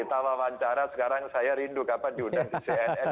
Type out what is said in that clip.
kita wawancara sekarang saya rindu kapan diundang di cnn